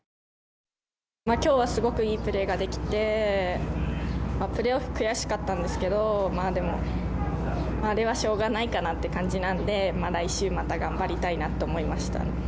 今日はすごくいいプレーができてプレーオフ悔しかったんですけど、まあでもあれはしょうがないかなっていう感じだったので来週また頑張りたいなって思いました。